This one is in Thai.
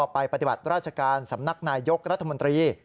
ไปปฏิบัติราชการสำนักนายยกรัฐมนตรี